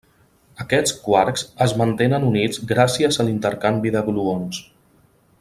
Aquests quarks es mantenen units gràcies a l'intercanvi de gluons.